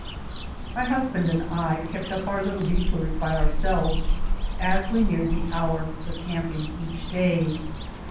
My husband and I kept up our little detours by our selves as we neared the hour for camping each day.